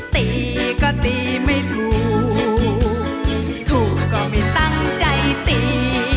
ตีก็ตีไม่ถูกถูกก็ไม่ตั้งใจตี